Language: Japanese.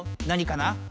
何かな？